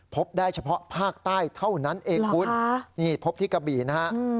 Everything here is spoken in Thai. พบได้เฉพาะภาคใต้เท่านั้นเองคุณนี่พบที่กะบี่นะฮะ